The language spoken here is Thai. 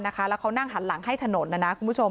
แล้วเขานั่งหันหลังให้ถนน